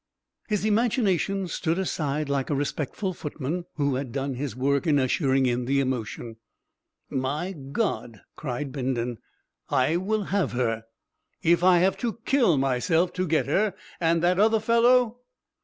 His imagination stood aside like a respectful footman who has done his work in ushering in the emotion. "My God!" cried Bindon: "I will have her! If I have to kill myself to get her! And that other fellow